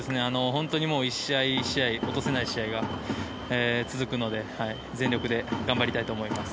１試合１試合落とせない試合が続くので全力で頑張りたいと思います。